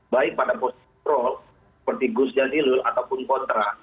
baik pada posisi pro seperti gus jadilul ataupun kontra